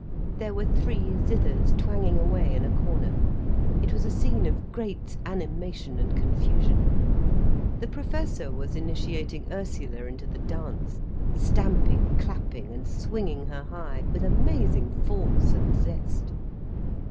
There were three zithers twanging away in a corner. It was a scene of great animation and confusion. The Professor was initiating Ursula into the dance, stamping, clapping, and swinging her high, with amazing force and zest.